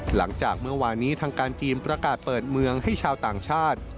หลังจากเมื่อวานนี้ทางการจีนประกาศเปิดเมืองให้ชาวต่างชาติ